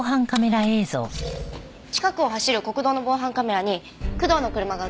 近くを走る国道の防犯カメラに工藤の車が映っていました。